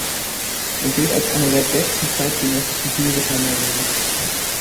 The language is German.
Er gilt als einer der besten zeitgenössischen Lyriker Norwegens.